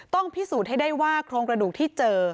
พิสูจน์ให้ได้ว่าโครงกระดูกที่เจอ